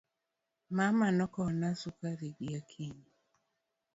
Mama nokowne sukari gi Akinyi.